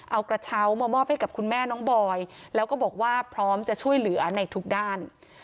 เอากระเช้ามามอบให้กับคุณแม่น้องบอยแล้วก็บอกว่าพร้อมจะช่วยเหลือในทุกด้าน